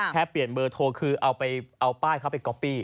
แค่เปลี่ยนเบอร์โทรคือเอาไปเอาป้ายเขาไปก๊อปปี้